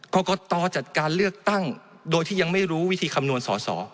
กรกตจัดการเลือกตั้งโดยที่ยังไม่รู้วิธีคำนวณสอสอ